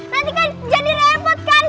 pasti kan jadi repot kan